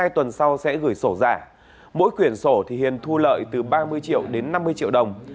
hai tuần sau sẽ gửi sổ giả mỗi quyển sổ thì hiền thu lợi từ ba mươi triệu đến năm mươi triệu đồng